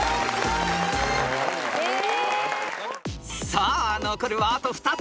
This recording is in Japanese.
［さあ残るはあと２つ。